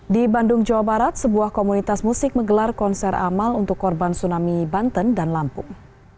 di bandung jawa barat sebuah komunitas musik menggelar konser amal untuk korban tsunami banten dan lampung